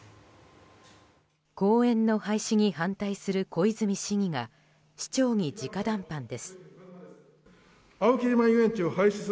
公園の廃止に反対する小泉市議が市長に直談判です。